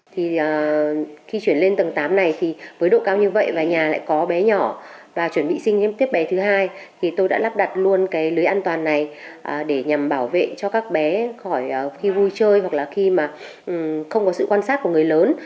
thì khi chuyển lên tầng tám này thì với độ cao như vậy và nhà lại có bé nhỏ và chuẩn bị sinh thêm tiếp bé thứ hai thì tôi đã lắp đặt luôn cái lưới an toàn này để nhằm bảo vệ cho các bé khỏi khi vui chơi hoặc là khi mà không có sự quan sát của người lớn